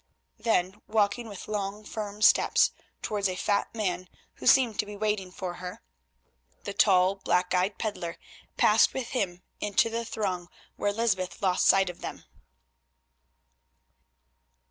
Then, walking with long firm steps towards a fat man who seemed to be waiting for her, the tall, black eyed pedlar passed with him into the throng, where Lysbeth lost sight of them.